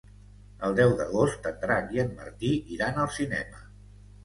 El deu d'agost en Drac i en Martí iran al cinema.